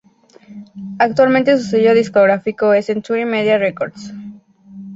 Actualmente su sello discográfico es Century Media Records.